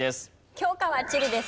教科は地理です。